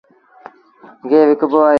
گيه وڪبو با اهي۔